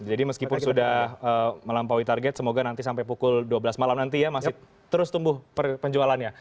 meskipun sudah melampaui target semoga nanti sampai pukul dua belas malam nanti ya masih terus tumbuh penjualannya